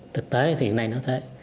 thực tế thì hiện nay nó thế